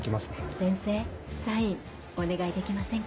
先生サインお願いできませんか？